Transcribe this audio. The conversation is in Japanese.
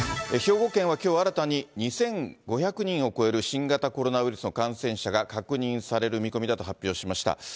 兵庫県はきょう新たに２５００人を超える新型コロナウイルスの感染者が確認される見込みだと発表しました。